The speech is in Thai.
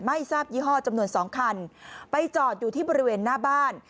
ไม่ทราบยี่ห้อจำนวน๒คันไปจอดอยู่ที่บริเวณหน้าบ้าน